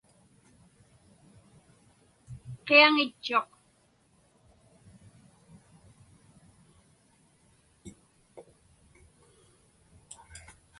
Qiaŋitchuq.